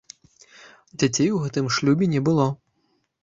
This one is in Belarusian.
Дзяцей у гэтым шлюбе не было.